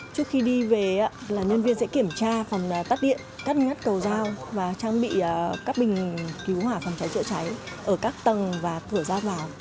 trước khi đi về nhân viên sẽ kiểm tra phòng tắt điện cắt ngắt cầu dao và trang bị các bình cứu hỏa phòng cháy chữa cháy ở các tầng và thửa dao vào